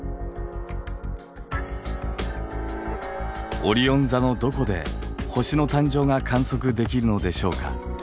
オリオン座のどこで星の誕生が観測できるのでしょうか。